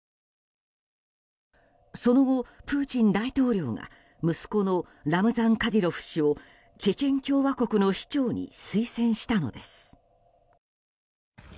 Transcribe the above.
その後、プーチン大統領が息子のラムザン・カディロフ氏をチェチェン共和国の首長に推薦したのです。